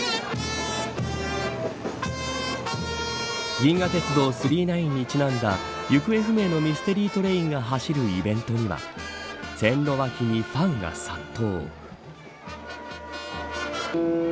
銀河鉄道９９９にちなんだ行方不明のミステリートレインが走るイベントには線路脇にファンが殺到。